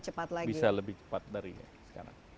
mudah mudahan bisa lebih cepat dari sekarang